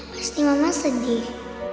pasti mama sedih